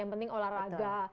yang penting olahraga